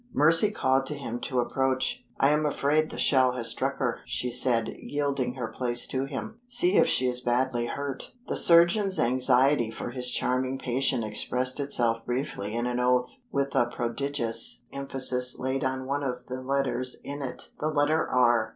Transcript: Mercy called to him to approach. "I am afraid the shell has struck her," she said, yielding her place to him. "See if she is badly hurt." The surgeon's anxiety for his charming patient expressed itself briefly in an oath, with a prodigious emphasis laid on one of the letters in it the letter R.